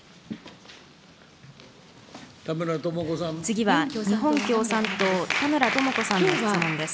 次は日本共産党、田村智子さんの質問です。